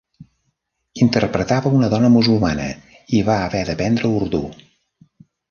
Interpretava una dona musulmana i va haver d'aprendre urdú.